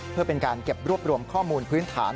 เพื่อเป็นการเก็บรวบรวมข้อมูลพื้นฐาน